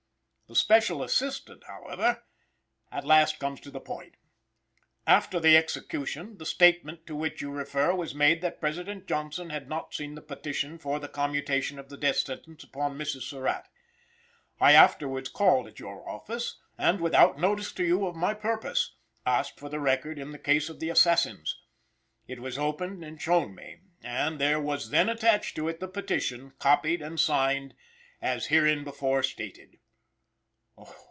The Special Assistant, however, at last comes to the point: "After the execution, the statement to which you refer was made that President Johnson had not seen the petition for the commutation of the death sentence upon Mrs. Surratt. I afterwards called at your office, and, without notice to you of my purpose, asked for the record in the case of the assassins. It was opened and shown me, and there was then attached to it the petition, copied and signed as hereinbefore stated."